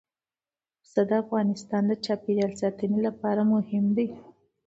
پسه د افغانستان د چاپیریال ساتنې لپاره مهم دي.